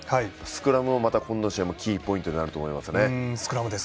スクラムが、この試合もキーポイントになると思います。